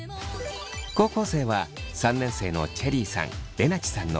高校生は３年生のチェリーさんれなちさんの２人。